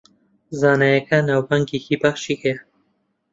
زانایەکە ناوبانگێکی باشی هەیە